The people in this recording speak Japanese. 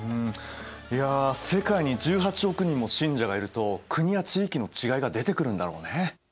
いや世界に１８億人も信者がいると国や地域の違いが出てくるんだろうね。